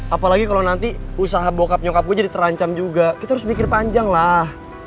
apalagi kalau nanti usaha bokap nyokapku jadi terancam juga kita harus mikir panjang lah